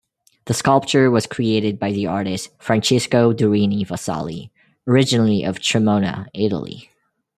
The sculpture was created by the artist Francisco Durini Vasalli originally of Tremona, Italy.